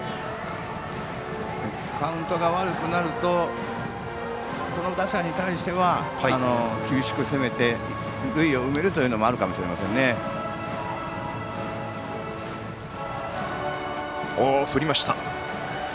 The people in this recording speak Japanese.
カウントが悪くなるとこの打者に対しては厳しく攻めて塁を埋めるということも振りました。